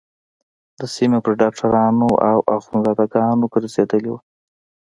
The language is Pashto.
د سيمې پر ډاکترانو او اخوندزاده گانو گرځېدلې وه.